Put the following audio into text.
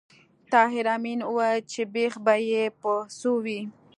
طاهر آمین وویل چې بېخ به یې په څو وي